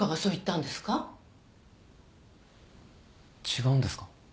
違うんですか？